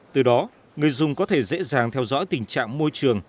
từ đó người dùng có thể dễ dàng theo dõi tình trạng môi trường